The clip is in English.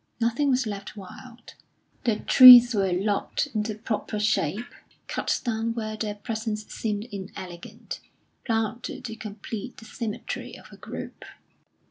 Nothing was left wild. The trees were lopped into proper shape, cut down where their presence seemed inelegant, planted to complete the symmetry of a group.